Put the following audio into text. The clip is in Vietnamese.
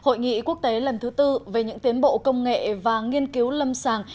hội nghị quốc tế lần thứ tư về những tiến bộ công nghệ và nghiên cứu lâm sàng